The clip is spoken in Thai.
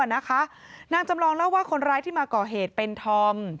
นางจำลองเล่าว่าคนร้ายที่มาก่อเหตุเป็นธอม